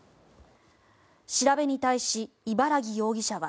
調べに対し、茨木容疑者は。